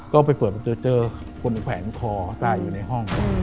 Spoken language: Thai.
ก็ไปเปิดเจอคนแผนคอไต่อยู่ในห้อง